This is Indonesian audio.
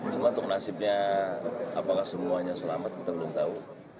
cuma untuk nasibnya apakah semuanya selamat kita belum tahu